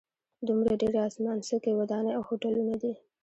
دومره ډېرې اسمانڅکي ودانۍ او هوټلونه دي.